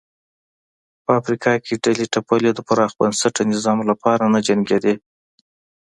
په افریقا کې ډلې ټپلې د پراخ بنسټه نظام لپاره نه جنګېدې.